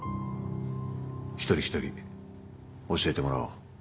一人一人教えてもらおう。